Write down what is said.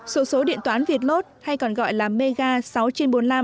sổ số điện toán việt lốt hay còn gọi là mega sáu trên bốn mươi năm